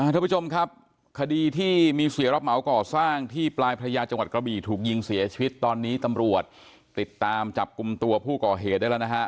ท่านผู้ชมครับคดีที่มีเสียรับเหมาก่อสร้างที่ปลายพระยาจังหวัดกระบี่ถูกยิงเสียชีวิตตอนนี้ตำรวจติดตามจับกลุ่มตัวผู้ก่อเหตุได้แล้วนะฮะ